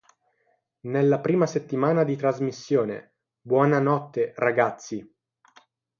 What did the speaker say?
Nella prima settimana di trasmissione," Buona notte, ragazzi!